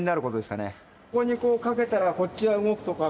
ここにこうかけたらこっちが動くとか